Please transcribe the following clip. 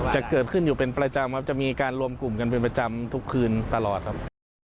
จะเกิดขึ้นอยู่เป็นประจำครับจะมีการรวมกลุ่มกันเป็นประจำทุกคืนตลอดครับ